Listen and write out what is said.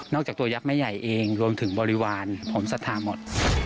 จากตัวยักษ์แม่ใหญ่เองรวมถึงบริวารผมสัทธาหมด